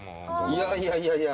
いやいやいやいや。